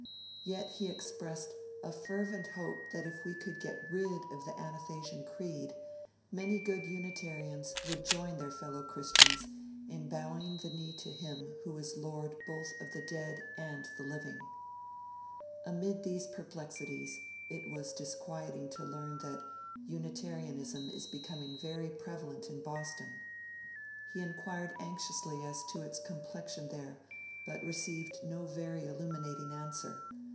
Yet he expressed 'a fervent hope that if we could get rid of the Athanasian Creed many good Unitarians would join their fellow Christians in bowing the knee to Him who is Lord both of the dead and the living'. Amid these perplexities, it was disquieting to learn that 'Unitarianism is becoming very prevalent in Boston'. He inquired anxiously as to its 'complexion' there; but received no very illuminating answer.